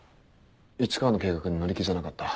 市川の計画に乗り気じゃなかった。